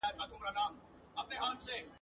زه به دي پلو له مخي لیري کړم پخلا به سو ..